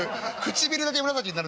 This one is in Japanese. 唇だけ紫になる。